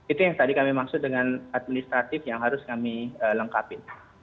itu yang tadi kami maksud dengan administratif yang harus kami lengkapi